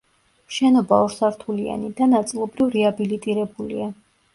შენობა ორსართულიანი და ნაწილობრივ რეაბილიტირებულია.